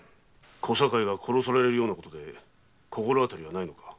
小堺が殺されるようなことで何か心当たりはないのか？